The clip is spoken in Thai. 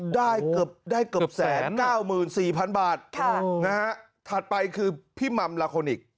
ได้เกือบแสน๙๔๐๐๐บาทถัดไปคือพี่มัมลาโคนิก